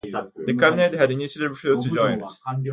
The cabinet had initially refused to join it.